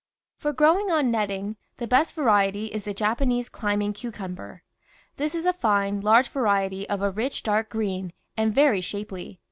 For growing on netting, the best variety is the Japanese Climbing cucumber. This is a fine, large variety of a rich dark green, and very shapely.